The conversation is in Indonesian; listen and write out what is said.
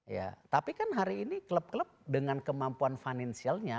ya tapi kan hari ini klub klub dengan kemampuan finansialnya